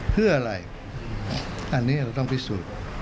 เพื่ออะไรอันนี้เราต้องพิสูจน์